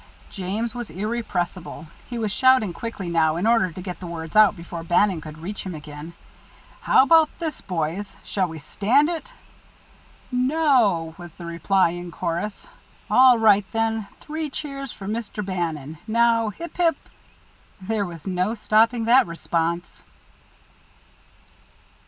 James was irrepressible. He was shouting quickly now, in order to get the words out before Bannon could reach him again. "How about this, boys? Shall we stand it?" "No!" was the reply in chorus. "All right, then. Three cheers for Mr. Bannon. Now Hip, hip " There was no stopping that response.